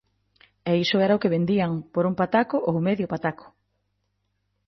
E iso era o que vendían, por un pataco ou medio pataco.